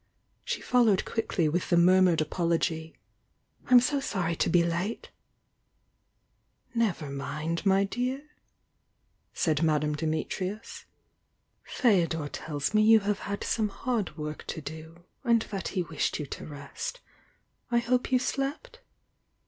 She followed quickly with the murmured apology: "I'm so Sony to be late!" "Never mind, my dear," said Madame Dimitrius. "Fdodor tells me you have had some hard work to do, and that he wished you to rest. I hope you slept?"